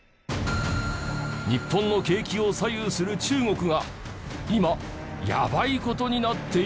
日本の景気を左右する中国が今やばい事になっている！